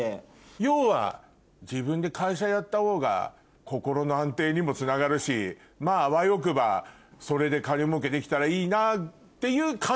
要は自分で会社やったほうが心の安定にもつながるしまぁあわよくばそれで金もうけできたらいいなっていう感じ。